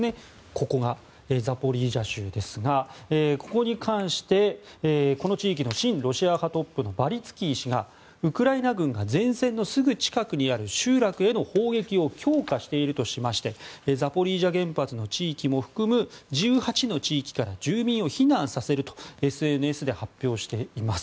ここがザポリージャ州ですがここに関してこの地域の親ロシア派トップのバリツキー氏がウクライナ軍が前線のすぐ近くにある集落への砲撃を強化しているとしましてザポリージャ原発の地域も含む１８の地域から住民を避難させるとＳＮＳで発表しています。